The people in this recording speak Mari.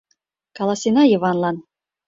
Каласена Йыванлан...